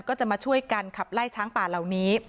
ก็จะมาช่วยกันขับไล่ช้างป่าเหล่านี้